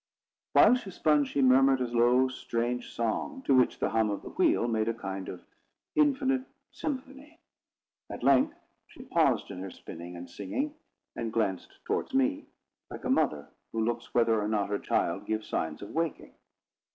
While she spun, she murmured a low strange song, to which the hum of the wheel made a kind of infinite symphony. At length she paused in her spinning and singing, and glanced towards me, like a mother who looks whether or not her child gives signs of waking.